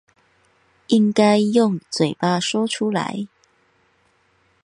應該用嘴巴說出來